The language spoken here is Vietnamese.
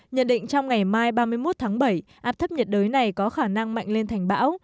nhận định trong ngày mai ba mươi một tháng bảy áp thấp nhiệt đới này có khả năng mạnh lên thành bão